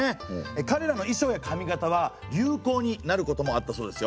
かれらの衣装や髪形は流行になることもあったそうですよ。